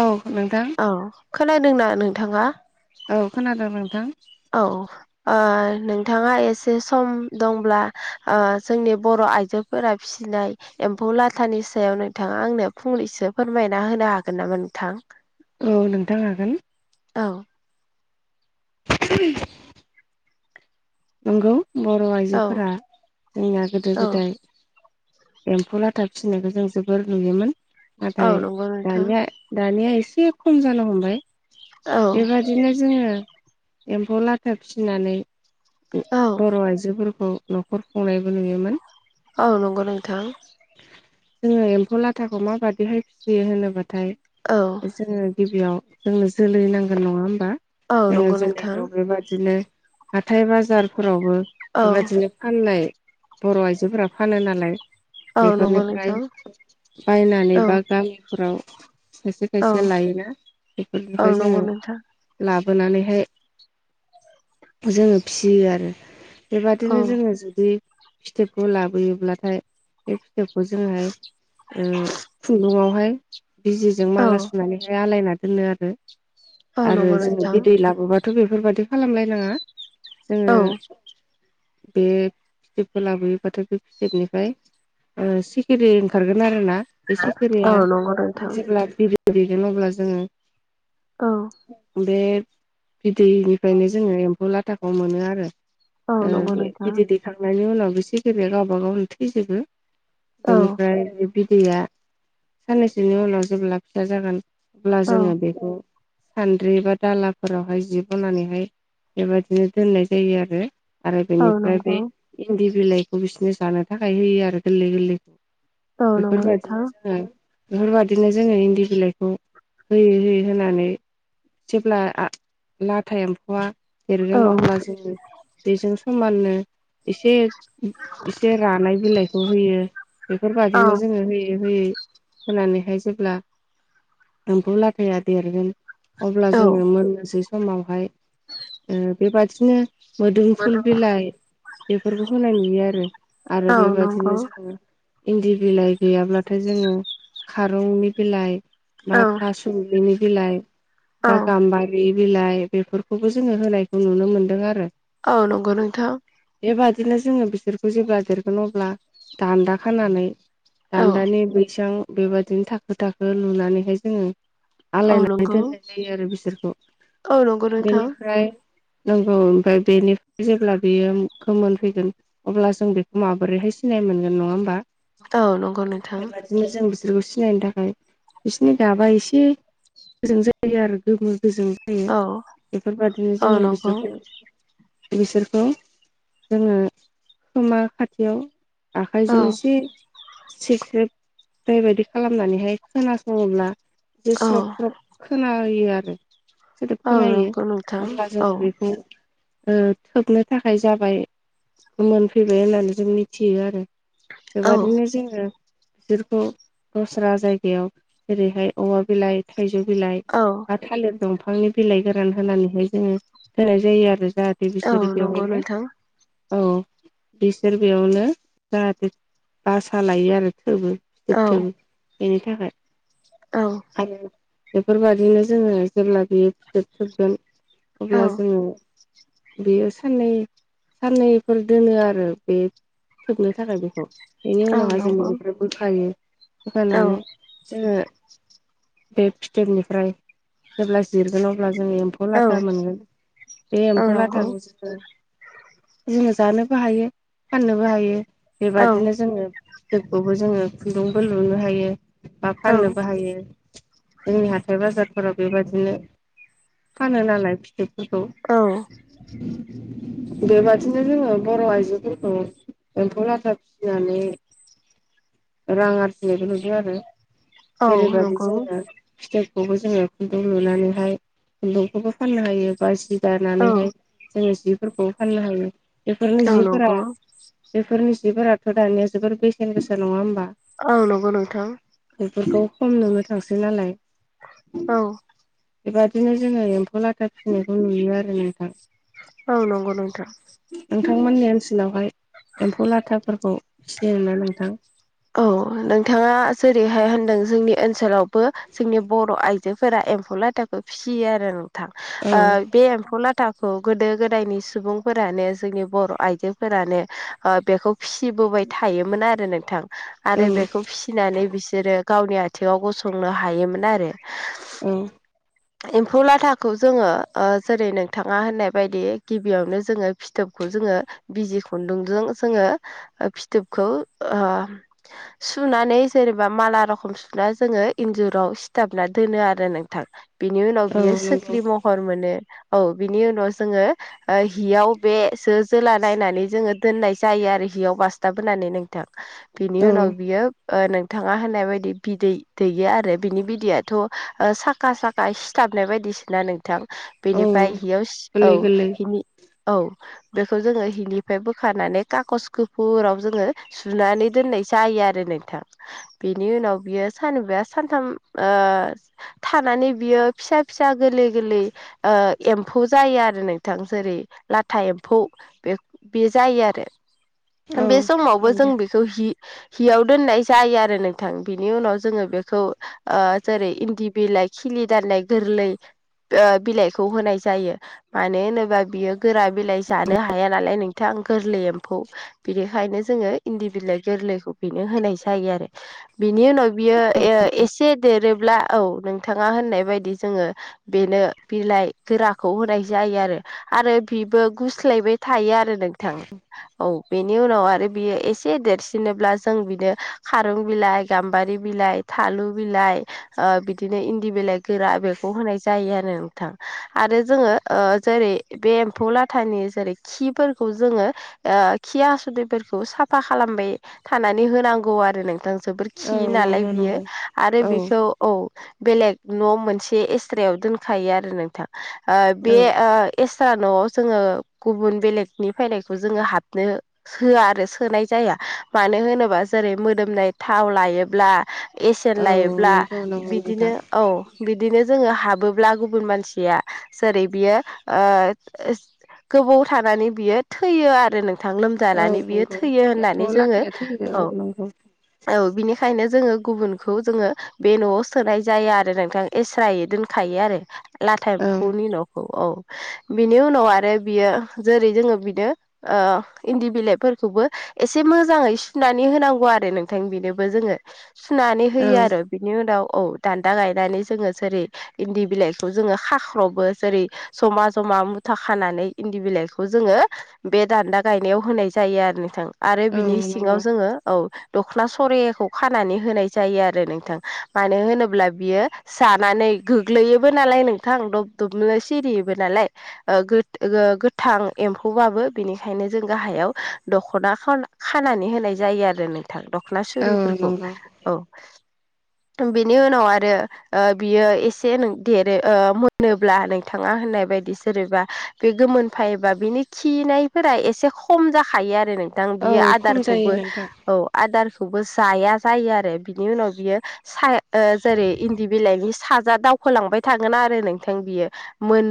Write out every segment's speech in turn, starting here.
औ नोंथां औ खोनादोंना नोंथाङा औ खोनादों नोंथां औ नोंथाङा एसे सम दंब्ला जोंनि बर' आइजो फोरा फिसिनाय एम्फौ लाथानि सायाव नोंथाङा आंनो फंनैसो फोरमायना होनो हागोन नामा नोंथां औ नोंथां हागोन औ [inaudible] नंगौ बर' औ आइजोफोरा जोंना गोदो औ गोदाय एम्फौ लाथा फिसिनायखौ जों जोबोर नुयोमोन औ नाथाय नंगौ नोंथां दानिया दानिया एसे खम जानो हमबाय औ बेबादिनो जोङो एम्फौ लाथा फिनानै औ बर' आइजोफोरखौ न'खर खुंनायबो नुयोमोन औ नंगौ नोंथां जोङो एम्फौ लाथाखौ माबायदिहाय फिसियो होनोबाथाय औ जोङो गिबियाव जोंनो जोलै नांगोन नङा होमबा औ जोङो नंगौ नोंथां जोलैखौ बेबादिनो हाथाय बाजारफोरावबो औ बेबादिनो फाननाय बर' आइजोफोरा फानो नालाय औ नंगौ बेफोरनिफ्राय नोंथां बायनानै औ बा गामिफोराव खायसे औ खायसे लायोना बेफोरनिफ्राय नंगौ जोङो नोंथां लाबोनानैहाय जोङो फियो आरो औ बेबादिनो जोङो जुदि फिथोबखौ लाबोयोब्लाथाय बे फिथोबखौ जोङोहाय खुन्दुङावहाय बिजिजों औ माला सुनानैहाय आलायना दोनो आरो औ आरो नंगौ जोङो नोंथां बिदै लाबोबा थ' बेफोरबादि खालामलायनाङा औ जोङो बे फिथोबखौ लाबोयोबाथाय बे फिथोबनिफ्राय ओ सिखिरि ओंखारगोन आरो ना बे औ सिखिरिया नंगौ नोंथां जेब्ला बि दै दैगोन अब्ला जोङो औ बे बिदैनिफ्रायनो जोङो एम्फौ लाथाखौ मोनो आरो औ ओ नंगौ बे नोंथां बिदै दै खांनायनि उनाव बि सिखिरिया गावबागाव थैजोबो औ बेनिफ्राय बिदैया साननैसोनि उनाव जेब्ला फिसा जागोन अब्ला औ जोङो बेखौ सान्द्रि बा दालाफोरावहाय जि बनानैहाय बेबायदिनो दोननाय जायो आरो आरो औ बेनिफ्राय नंगौ बे इन्दि बिलाइखौ बिसिनो जानो थाखाय होयो आरो गोरलै गोरलैखौ औ नंगौ बेफोर नोंथां बायदिनो जोङो बेफोर बायदिनो जोङो इन्दि बिलाइखौ होयै होयै होनानै जेब्ला लाथा एम्फौआ औ देरगोन अब्ला जोङो बेजों समाननो एसे एसे रानाय बिलाइखौ होयो बेफोर औ बादिनो जोङो होयै होयै होनानैहाय जेब्ला एम्फौ लाथाया देरगोन अब्ला औ जोङो मोननोसै समावहाय ओ बेबादिनो मोदोमफुल बिलाइ बेफोरफोरखौ होनाय नुयो आरो आरो औ बेबादिनो नंगौ जोङो इन्दि बिलाइ गैयाब्लाथाय जोङो खारंनि बिलाइ बा औ थास' बेनि बिलाइ औ बा गाम्बारि रि बिलाइ बेफोरखौबो जोङो होनायखौ नुनो मोन्दों आरो औ नंगौ नोंथां बेबादिनो जोङो बिसोरखौ जेब्ला देरगोन अब्ला दान्दा खानानै औ दान्दानि बैसां बेबादिनो थाखो थाखो लुनानैहाय जोङो औ आलायनानै नंगौ दोननाय जायो आरो बिसोरखौ औ नंगौ नोंथां बेनिफ्राय नांगौ ओमफ्राय बेनिफ्राय जेब्ला बेयो गोमोन फैगोन अब्ला जों बे माबोरैहाय सिनाय मोनगोन नङा होमबा औ नंगौ नोंथां बिदिनो जों बिसोरखौ सिनायनो थाखाय बिसिनि गाबा एसे गोजों जायो आरो गोमो गोजों जायो औ बेफोरबायदिनो औ जोङो नंगौ बिसोरखौ बिसोरखौ जोङो खोमा खाथियाव औ आखाइजों एसे सेख्रेब बेबायदि खालामनानैहाय खोनासङोब्ला बि औ स्रब स्र खोनायो आरो सोदोब औ खोनायो नंगौ नोंथां अब्ला जों औ बेखौ ओ थोबनो थाखाय जाबाय मोनफैबाय होननानै जों मिथियो आरो औ बेबादिनो जोङो बिसोरखौ दस्रा जायगायाव जेरैहाय औवा बिलाइ थाइजौ बिलाइ औ बा थालिर दंफांनि बिलाइ गोरान होनानैहाय जोङो होनाय जायो आरो जाहाथे औ बिसोरो नंगौ बेवहायनो नोंथां औ बिसोर बेयावनो जाहाथे बासा लायो आरो थोबो औ फिथोब थोबो बेनि थाखाय औ आरो बेफोरबादिनो जोङो जेब्ला बे फिथोब थोबगोन औ अब्ला जोङो बेयो साननै साननैफोर दोनो आरो बे थोबनो थाखाय बेखौ बेनि औ उनावहा जों नंगौ बिनिफ्राय बोखायो औ बोखानो जोङो बे फिथोबनिफ्राय जेब्ला जिरगोन अब्ला जोङो एम्फौ औ लाथा मोनगोन बे औ एम्फौ नंगौ लाथाखौ जोङो जोङो जानोबो हायो फाननोबो हायो औ बेबादिनो जोङो थोबखौबो जोङो खुन्दुंबो लुनो हायो बा औ फाननोबो हायो जोंनि हाथाय बाजारफोराव बेबायदिनो फानो नालाय औ फिथोब बेबादिनो जोङो बर आइजोफोर अ एम्फौ लाथा फिनानै रां आरजिनायबो नुदों आरो जेरैयबादि नंगौ जोङो फिथोबखौबो जोङो खुन्दुं लुनानैहाय खुन्दुंखौबो फाननो हायो बा जि औ दानानैहाय जोङो जिफोरखौ फाननो हायो बेफोरनो औ जिफोरा नंगौ बेफोरनि जिफोराथ' दानिया जोबोर बेसेन गोसा नङा होमबा औ नंगौ नोंथां बेफोरखौ खम [unintelligible] नालाय औ बेबादिनो जोङो एम्फौ लाथा फिनायखौ नुयो आरो नोंथां औ नंगौ नोंथां नोंथांमोननि ओनसोलावहाय एम्फौ लाथाफोरखौ फिसियोना नोंथां औ नोंथाङा जेरैहाय होनदों जोंनि ओनसोलावबो जोंनि बर' आइजोफोरा एम्फौ लाथाखौ फिसियो आरो नोंथां औ ओ बे एम्फौ लाथाखौ गोदो गोदायनि सुबुंफोरानो जोंनि बर' आइजोफोरानो बेखौ फिसिबोबाय थायोमोन आरो नोंथां औ आरो बेखौ फिसिनानै बिसोरो गावनि आथिङाव गसंनो हायोमोन आरो औ एम्फौ लाथाखौ जोङो जेरै नोंथाङा होननाय बायदि गिबियावनो जोङो फिथोबखौ जोङो बिजि खुन्दुंजों जोङो फिथोबखौ ओ सुनानै जेनेबा माला रखम सुना जोङो इन्जुराव सिथाबना दोनो आरो नोंथां बिनि उनाव औ बियो नंगौ सख्रि महर मोनो औ बिनि उनाव जोङो हियाव बेसो जोला नायनानै जोङो दोननाय जायो आरो हियाव बासथाब होनानै नोंथां बिनि औ उनाव बियो नोंथाङा होननाय बायदि बिदै दैया आरो बिनि बिदैयाथ साखा सा सिथाबनाय बायदिसा ना नोंथां औ बेनिफ्राय हियाव औ गोरलै गोरलै हिनि औ बेखौ जोङो हिनिफ्राय बोखारनानै काकस गुफुराव जोङो सुनानै दोननाय जायो आरो नोंथां बिनि उनाव बियो सानबा सानथाम ओ थानानै बियो फिसा फिसा गोरलै गोरलै एम्फौ जायो आरो नोंथां जेरै लाथा एम्फौ बे बे जायो आरो औ बे समावबो नंगौ जों बेखौ हि हियाव दोननाय जायो आरो नोंथां बिनि उनाव जोङो बेखौ आ जेरै इन्दि बिलाइ खिलि दाननाय गोरलै बिलाइखौ होनाय जायो मानो होनोबा बियो गोरा बिलाइ जानो हाया नालाय नोंथां गोरलै एम्फौ बिनिखायनो जोङो इन्दि बिलाइ गोरलैखौ बेनो होनाय जायो आरो बिनि उनाव बियो एसे देरोब्ला औ नोंथाङा होननाय बायदि जोङो बेनो बिलाइ गोराखौ होनाय जायो आरो आरो बिबो गुस्लायबाय थायो आरो नोंथां औ बेनि उनाव आरो बियो एसे देरसिनोब्ला जों बिनो खारं बिलाइ गाम्बारि बिलाइ थालु बिलाइ ओ बि बिदिनो इन्दि बिलाइ गोरा बेखौ होनाय जायो आरो नोंथां आरो जोङो ओ जेरै बे एम्फौ लाथानि जेरै खिफोरखौ जोङो ओ खि हासुदैफोरखौ साफा खालामबाय थानानै होनांगौ आरो नोंथां जोबोर औ खियो नालाय नंगौ बियो नंगौ आरो औ बेखौ औ बेलेग न' मोनसे एस्रायाव दोनखायो आरो नोंथां ओ औ बे ओ एस्रा न'आव जोङो गुबुन बेलेगनि फैनायखौ जोङो हाबनो होआ आरो सोनाय जाया मानो होनोबा जेरै मोदोमनाय थाव लायोब्ला एसेयन औ लायोब्ला नंगौ नंगौ नोंथां बिदिनो औ बिदिनो जोङो हाबोब्ला गुबुन मानसिया जेरै बियो ओ गोबाव थानानै बियो थैयो आरो नोंथां लोम औ जानानै बियो नंगौ थैयो एम्फौ होननानै जोङो लाथाया थैयो औ नंगौ औ बिनिखायनो जोङो गुबुनखौ जोङो बे न'आव सोनाय जाया आरो नोंथां एस्रायै दोनखायो आरो लाथा औ एम्फौनि न'खौ औ बिनि उनाव आरो बियो जेरै जोङो बिनो इन्दि बिलाइफोरखौबो एसे मोजाङै सुनानै होनांगौ आरो नोंथां बेनोबो जोङो सुनानै औ होयो आरो बिनि उनाव औ दान्दा गायनानै जोङो जेरै इन्दि बिलाइखौ जोङो खाख्रावबो जेरै जमा जमा मुथा खानानै इन्दि बिलाइखौ जोङो बे दान्दा गायनायाव होनाय जायो आरो नोंथां। आरो औ बिनि सिङाव नंगौ जोङो औ दख'ना सरियाखौ खानानै होनाय जायो आरो नोंथां। मानो होनोब्ला बियो जानानै गोग्लैयोबो नालाय नोंथां दब दबनो सिरियोबो नालाय गोथां एम्फौबाबो बेनिखायनो जों गाहायाव दख'ना खावला खानानै होनाय जायो आरो नोंथां दख'ना औ सुरिफोरखौ नंगौ औ बेनि उनाव आरो बियो एसे देरो मोनोब्ला नोंथाङा होननाय बायदि सोरबा बे गोमोनफैबा बिनि खिनायफोरा एसे खम जाखायो आरो नों दां औ बियो खम जायो आदारखौबो नोंथां औ आदारखौबो जाया जायो आरो बिनि उनाव बियो स जेरै इन्दि बिलाइनि साजा दावखोलांबाय थागोन आरो नोंथां बियो मोन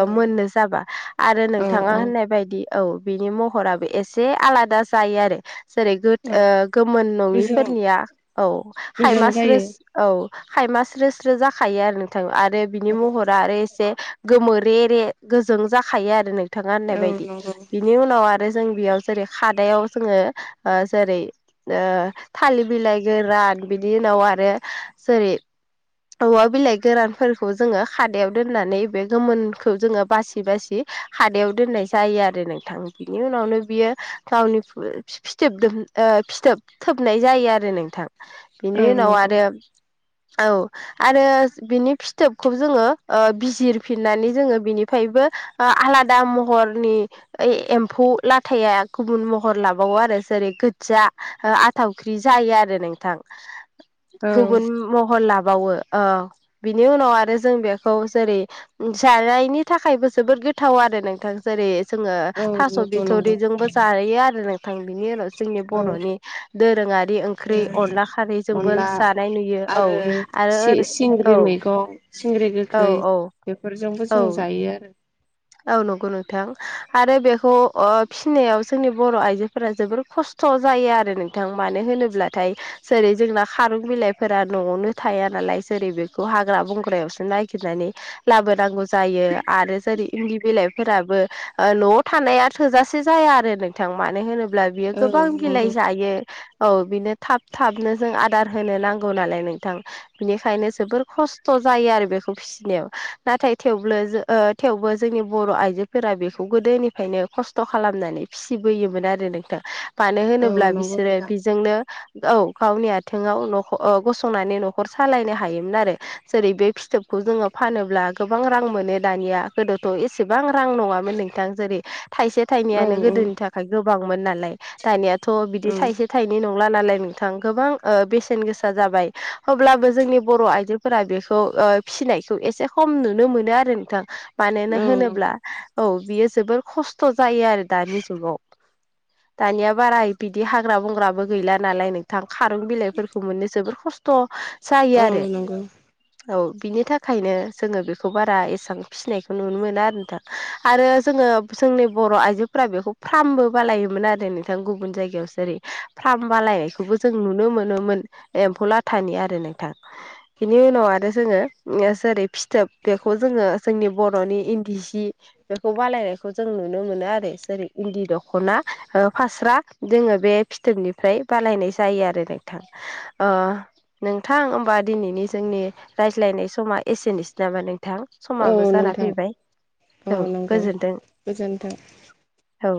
औ मोननो जाबा आरो औ नोंथाङा औ होननाय बायदि औ बिनि महराबो एसे आलादा जायो आरो। जेरै औ गोमोन गोजों नङिफोरनिया औ गोजों खाइमा जायो औ खायमा स्रो स्रो जाखायो आरो नोंथां आरो बिनि औ महर आरो एसे गोमोरे रे गोजों जाखायो आरो नोंथाङा होननाय औ बायदि नंगौ बिनि उनाव आरो जों बेयाव जेरै खादायाव जोङो जेरै थालिर बिलाइ गोरान बिदि उनाव आरो जेरै औवा बिलाइ गोरानफोरखौ जोङो खादायाव दोननानै बे गोमोनखौ जोङो बासि बासि हादायाव दोननाय जायो आरो नोंथां बिनि उनावनो बियो गावनि फिथोबोब फिथोब थोबनाय जायो आरो नोंथां औ बिनि उनाव आरो नंगौ औ आरो बिनि फिथोबखौ जोङो बिजिरफिननानै जोङो बिनिफ्रायबो आलादा महरनि एम्फौ लाथाया गुबुन महर लाबावो आरो जेरै गोजा आथावख्रि जायो आरो नोंथां। औ गुबुन महर लाबावो बिनि उनाव आरो जों बेखौ जेरै जानायनि थाखायबो जोबोद गोथाव आरो नोंथां। जेरै जोङो औ थास नंगौ नंगौ बिथरिजोंबो जायो आरो नोंथां बिनि उनाव जोंनि औ बर'नि दोरोङारि ओंख्रि अनला खारैजोंबो अनला जानाय नुयो औ आरो ओरै सिंग्रि औ मैगं सिंग्रि औ गोखै औ बेफोरजोंबो जों औ जायो आरो। औ नंगौ नोंथां आरो बेखौ फिसिनायाव जोंनि बर' आइजोफोरा जोबोर खस्थ जायो आरो नोंथां मानो होनोब्लाथाय जेरै जोंना खारौ बिलाइफोरा न'आवनो थाया नालाय जेरै बेखौ हाग्रा बंग्रायावसो नागिरनानै लाबोनांगौ जायो आरो जेरै इन्दि बिलाइफोराबो न'आव थानाया थोजासे जाया आरो नोंथां मानो होनोब्ला अब्ला बियो औ गोबां बिलाइ नंगौ जायो। औ बिनो थाब थाबनो जों आदार होनो नांगौ नालाय नोंथां बिनिखायनो जोबोर खस्थ जायो आरो बेखौ फि नाथाय थेव थेवबो जोंनि बर' आइजोफोरा बेखौ गोदोनिफ्रायनो खस्थ खालामनानै फिसिबोयोमोन आरो नोंथां। मानो औ होनोब्ला नंगौ बिसोरो नोंथां बेजोंनो औ गावनि आथिंङाव न गसंनानै न'खर सालायनो हायोमोन आरो। जेरै बे फिथोबखौ जोङो फानोब्ला गोबां रां मोनो दानिया गोदोथ एसेबां रां नङामोन नोंथां जेरै थाइसे औ थाइनैयानो गोदोनि थाखाय ओमाय गोबांमोन नालाय दानियाथ बिदि थाइसे थायसे थायनै नंला नालाय नोंथां गोबां बेसेन गोसा जाबाय अब्लाबो जोंनि बर' आइजो फोरा बेखौ फिसिनायखौ एसे खम नुनो मोनो आरो नोंथां मानो औ होनोब्ला नंगौ औ बियो जोबोर खस्थ जायो आरो दानि जुगाव। दानिया बाराय बिदि हाग्रा बंग्राबो गैला नालाय नोंथां खारुन बिलाइफोरखौ मोननो जोबोर खस्थ जायो औ आरो नंगौ औ बिनि थाखायनो जोङो बेखौ बारा एसेबां फिसिनायखौ नुनो मोनो आरो नोंथां आरो जोङो जोंनि बर' आइजोफोरा बेखौ फार्मबो बानायोमोन आरो नोंथां गुबुन जायगायावसो ओरै फार्म बालायनायखौबो जों नुनो मोनोमोन एम्फौलाथानि आरो नोंथां बिनि उनाव आरो जोङो जेरै फिथोब बेखौ जोङो जोंनि बर'नि इन्दि सि बेखौ बानायनायखौ जों नुनो मोनो आरो जेरै इन्दि दखना फास्रा जोङो बे फिथोबनिफ्राय बानायनाय जायो आरो नोंथां ओ नोंथां होमबा दिनैनि जोंनि रायज्लायनाय समा एसेनोसै नामा नोंथां औ समाबो जाना नोंथां फैबाय औ गोजोनथों गोजोन्थों औ